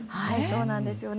そうなんですよね。